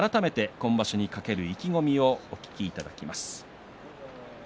今場所に懸ける意気込みをお聞きいただきます。